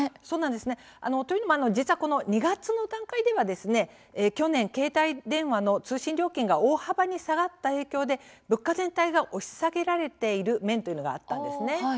そうなんですね。というのも実はこの２月の段階では去年、携帯電話の通信料金が大幅に下がった影響で物価全体が押し下げられている面というのがあったんですね。